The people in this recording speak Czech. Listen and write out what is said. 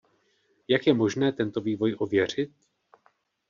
Jak je možné tento vývoj ověřit?